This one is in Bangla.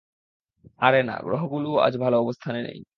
আরে না, গ্রহগুলোও আজ ভালো অবস্থানে নেই।